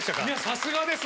さすがです！